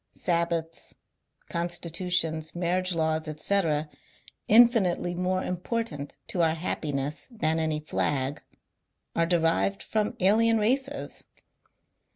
Sabbaths, constitutions, marriage laws, etc., infinitely more important to our happiness than any flag, are derived from alien races.